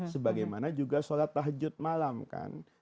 sebagai mana juga sholat tahajud malam kan